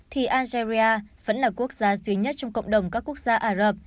thì algeria vẫn là quốc gia duy nhất trong cộng đồng các quốc gia ả rập